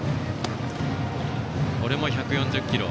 これも１４０キロ。